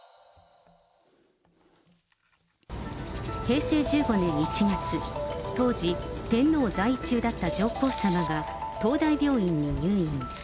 平成１５年１月、当時、天皇在位中だった上皇さまが東大病院に入院。